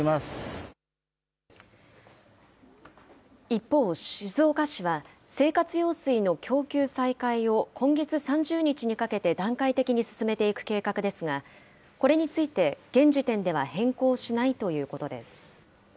一方、静岡市は生活用水の供給再開を今月３０日にかけて段階的に進めていく計画ですが、これについて、現時点では変更しないということです。